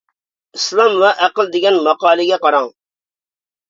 «ئىسلام ۋە ئەقىل» دېگەن ماقالىگە قاراڭ.